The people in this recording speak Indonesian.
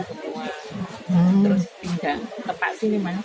ketika itu gilang dikabarkan masuk rumah sakit